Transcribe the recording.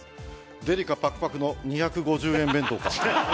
デリカぱくぱくの２５０円弁当か？